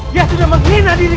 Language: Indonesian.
dia sudah menghina diriku